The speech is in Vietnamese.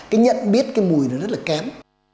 cái nhận biết cái mùi nó rất là kém